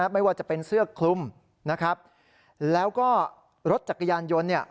ไม่ว่าจะเป็นเสื้อคลุมนะครับแล้วก็รถจักรยานยนต์เนี่ย